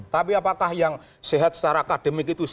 tapi apakah yang sehat secara akademik itu